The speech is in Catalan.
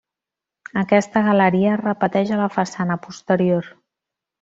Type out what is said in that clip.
Aquesta galeria es repeteix a la façana posterior.